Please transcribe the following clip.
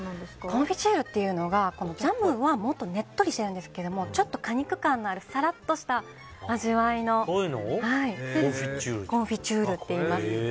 コンフィチュールというのがジャムはもっとねっとりしてるんですが果肉感のあるさらっとした味わいのものをコンフィチュールといいます。